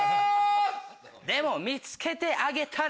でも見つけてあげたら